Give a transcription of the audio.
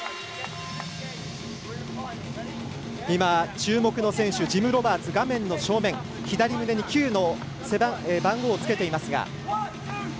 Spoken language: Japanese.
今、注目の選手、ジム・ロバーツ左胸の背番号９の番号をつけています。